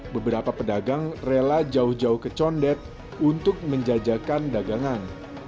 beberapa pedagang rela jauh jauh ke condet untuk menjajakan dagangan